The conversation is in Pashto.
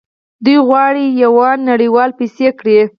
دوی غواړي یوان نړیواله پیسې کړي.